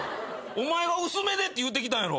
お前が薄めでって言うてきたんやろ。